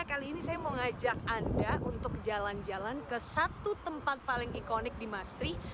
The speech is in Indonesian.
kali ini saya mau ngajak anda untuk jalan jalan ke satu tempat paling ikonik di mastri